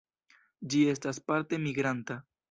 Ĝi estas parte migranta.